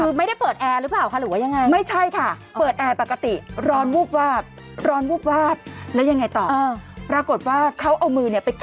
คือไม่ได้เปิดแอร์หรือเปล่าค่ะหรือว่ายังไงต่อ